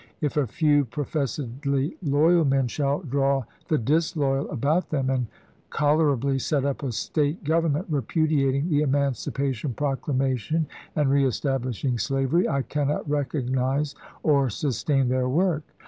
If a few professedly loyal men shall draw the disloyal about them, and colorably set up a State government, repudiating the emancipation proclamation and reestab lishing slavery, I cannot recognize or sustain their work.